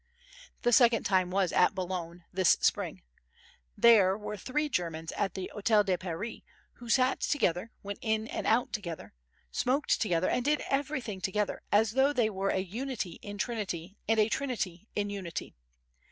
The second time was at Boulogne this spring. There were three Germans at the Hôtel de Paris who sat together, went in and out together, smoked together and did everything as though they were a unity in trinity and a trinity in unity.